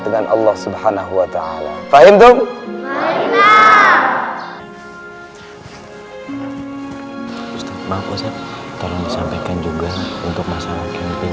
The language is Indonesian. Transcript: dengan allah subhanahuwata'ala fahim tum maaf ustaz tolong disampaikan juga untuk masalah camping